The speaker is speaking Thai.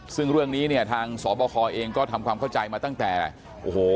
ซึ่งเรื่องนี้เนี่ยทางสบคเองก็ทำความเข้าใจมาตั้งแต่โอ้โห